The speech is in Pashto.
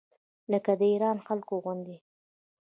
لکه د ایران خلکو غوندې.